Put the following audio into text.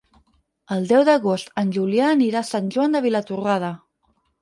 El deu d'agost en Julià anirà a Sant Joan de Vilatorrada.